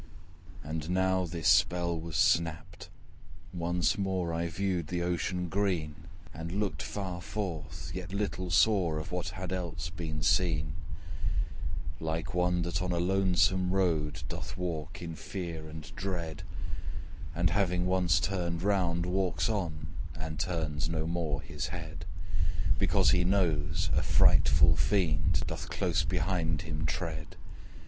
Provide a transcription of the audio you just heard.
And now this spell was snapt: once more I viewed the ocean green, And looked far forth, yet little saw Of what had else been seen Like one, that on a lonesome road Doth walk in fear and dread, And having once turned round walks on, And turns no more his head; Because he knows, a frightful fiend Doth close behind him tread.